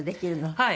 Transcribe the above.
はい。